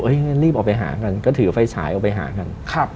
งั้นรีบออกไปหากันก็ถือไฟฉายออกไปหากัน